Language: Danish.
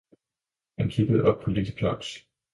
Han kiggede op på lille Claus.